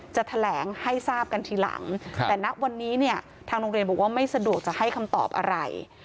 จะแถลงให้ทราบกันทีหลังแต่ณวันนี้เนี่ยทางโรงเรียนบอกว่าไม่สะดวกจะให้คำตอบอะไร